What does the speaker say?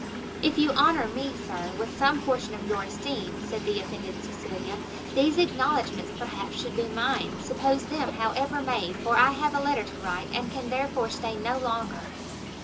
"If you honour me, Sir, with some portion of your esteem," said the offended Cecilia, "these acknowledgments, perhaps, should be mine; suppose them, however made, for I have a letter to write, and can therefore stay no longer."